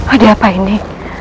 ada apa ini